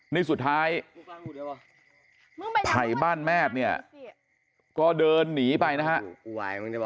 นี่สุดท้ายไผ่บ้านแมทเนี่ยก็เดินหนีไปนะฮะ